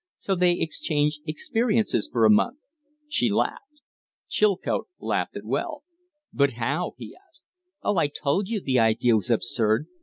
So they exchange experiences for a month." She laughed. Chilcote laughed as well. "But how?" he asked. "Oh, I told you the idea was absurd.